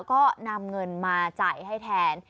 ก็นำเงินมาจ่ายให้แทน